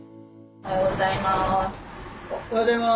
おはようございます。